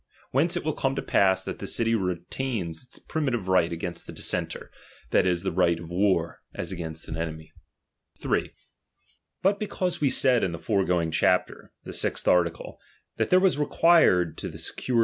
Whence it will come to pass, that the city retains its primi tive right against the dissenter ; that is, the right of war, as against an enemy. ^nrR°ririTi^r ^'^^^ because we said in the foregoing chapter, praiecdng him thc slxth afticle, that there was required to the nol/ aceoniiog to